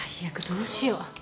どうしよう？